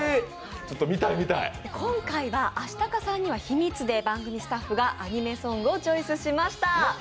今回はＡＳＨＩＴＡＫＡさんには秘密で、番組スタッフがアニメソングをチョイスしました。